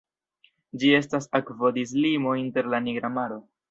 Ĝi estas akvodislimo inter la Nigra Maro.